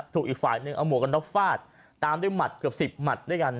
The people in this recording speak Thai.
อีกฝ่ายหนึ่งเอาหมวกกันน็อกฟาดตามด้วยหมัดเกือบสิบหมัดด้วยกัน